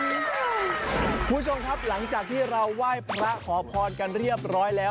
คุณผู้ชมครับหลังจากที่เราไหว้พระขอพรกันเรียบร้อยแล้ว